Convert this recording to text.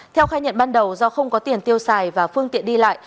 theo khai nhận ban đầu do không có tiền tiêu xài và phương tiện đi lại